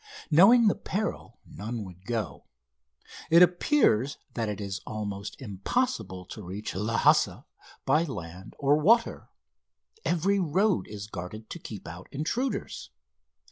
Knowing the peril, none would go. It appears that it is almost impossible to reach Lhassa by land or water. Every road is guarded to keep out intruders.